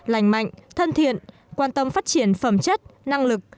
lành mạnh thân thiện quan tâm phát triển phẩm chất năng lực